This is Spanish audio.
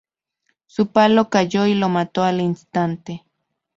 El palo cayó y lo mató al instante.